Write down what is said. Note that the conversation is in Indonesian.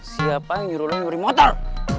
siapa yang nyuruh nyuri motor